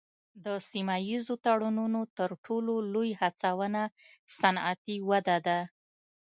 د سیمه ایزو تړونونو تر ټولو لوی هڅونه صنعتي وده ده